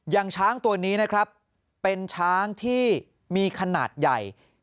อย่างช้างตัวนี้นะครับเป็นช้างที่มีขนาดใหญ่